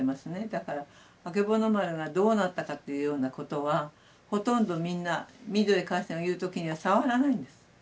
だからあけぼの丸がどうなったかっていうようなことはほとんどみんなミッドウェー海戦を言う時には触らないんです。